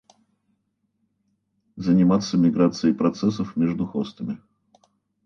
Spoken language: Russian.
Заниматься миграцией процессов между хостами